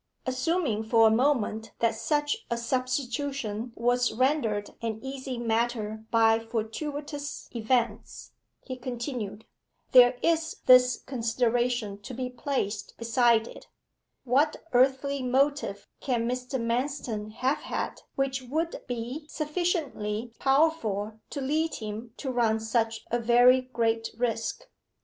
'Assuming for a moment that such a substitution was rendered an easy matter by fortuitous events,' he continued, 'there is this consideration to be placed beside it what earthly motive can Mr. Manston have had which would be sufficiently powerful to lead him to run such a very great risk?